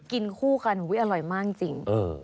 กินคู่กันอร่อยมากจริง